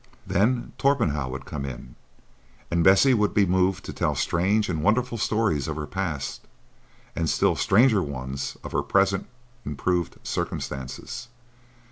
Then Torpenhow would come in, and Bessie would be moved to tell strange and wonderful stories of her past, and still stranger ones of her present improved circumstances.